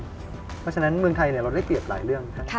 เพราะฉะนั้นเมืองไทยเราได้เปรียบหลายเรื่อง